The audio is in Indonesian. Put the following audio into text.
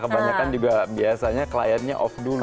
kebanyakan juga biasanya kliennya off dulu